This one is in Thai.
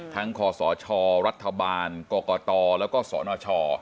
ทั้งคอสชรัฐบาลกตแล้วก็สนช